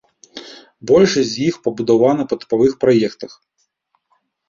Большасць з іх пабудавана па тыпавых праектах.